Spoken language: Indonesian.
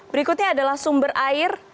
berikutnya adalah sumber air